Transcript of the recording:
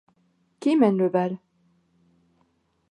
Qui mène le bal?